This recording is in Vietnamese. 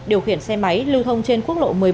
điều khiển xe máy lưu thông trên quốc lộ một mươi bốn